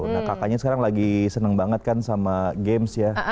nah kakaknya sekarang lagi seneng banget kan sama games ya